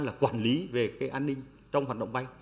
là quản lý về cái an ninh trong hoạt động bay